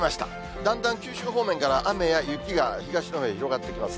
だんだん九州方面から雨や雪が東のほうに広がっていきますね。